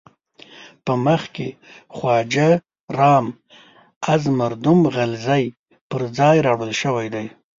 په مخ کې خواجه رام از مردم غلزی پر ځای راوړل شوی دی.